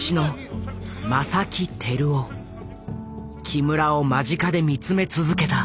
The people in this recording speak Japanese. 木村を間近で見つめ続けた。